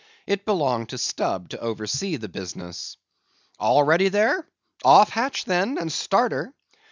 It belonged to Stubb to oversee the business. "All ready there? Off hatch, then, and start her.